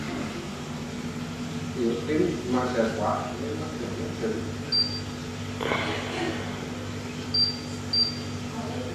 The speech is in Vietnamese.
Yếu tim mà sợ quá nên bất tỉnh nhân sự